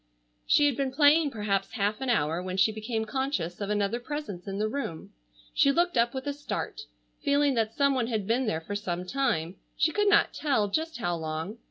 She had been playing perhaps half an hour when she became conscious of another presence in the room. She looked up with a start, feeling that some one had been there for some time, she could not tell just how long.